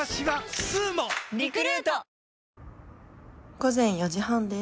午前４時半です。